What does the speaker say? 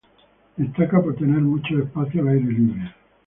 Destaca por tener muchos espacios al aire libre.